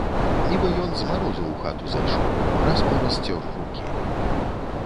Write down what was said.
Нібы ён з марозу ў хату зайшоў, раз-пораз цёр рукі.